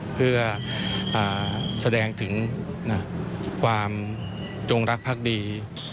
เพื่อแสดงถึงความจงรักภักดี